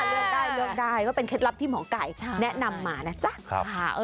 เลือกได้เลือกได้ก็เป็นเคล็ดลับที่หมอไก่แนะนำมานะจ๊ะ